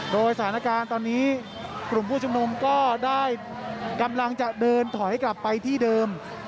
โดยสถานการณ์ตอนนี้กลุ่มผู้ชุมนุมก็ได้กำลังจะเดินถอยกลับไปที่เดิม